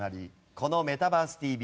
この「メタバースＴＶ！！」